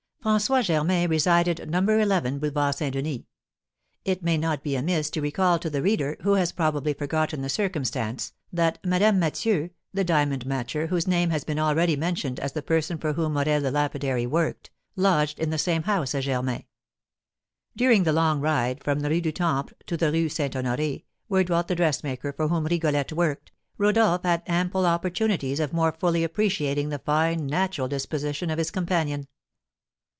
François Germain resided No. 11 Boulevard St. Denis. It may not be amiss to recall to the reader, who has probably forgotten the circumstance, that Madame Mathieu, the diamond matcher, whose name has been already mentioned as the person for whom Morel the lapidary worked, lodged in the same house as Germain. During the long ride from the Rue du Temple to the Rue St. Honoré, where dwelt the dressmaker for whom Rigolette worked, Rodolph had ample opportunities of more fully appreciating the fine natural disposition of his companion.